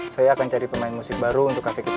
saya akan cari pemain musik baru untuk cafe kita